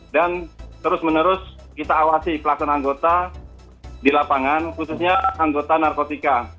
dan terus menerus kita awasi pelaksanaan anggota di lapangan khususnya anggota narkotika